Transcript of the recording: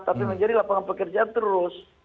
tapi menjadi lapangan pekerjaan terus